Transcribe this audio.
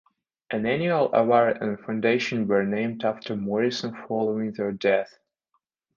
An annual award and foundation were named after Morrison following her death.